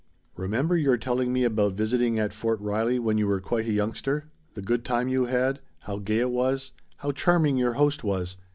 "Remember your telling me about visiting at Fort Riley when you were quite a youngster? The good time you had? how gay it was? How charming your host was?